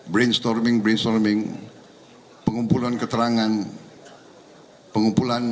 brainstorming brainstorming pengumpulan keterangan pengumpulan